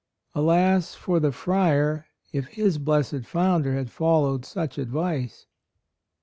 Alas for the friar if his blessed founder had followed such ad vice!